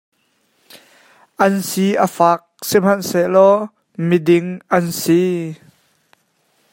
An si a fak, sihmanhsehlaw mi ding an si.